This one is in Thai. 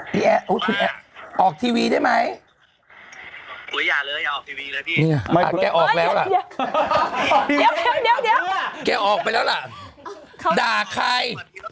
แต่ตอนที่ผมมีผมอยากรู้ไง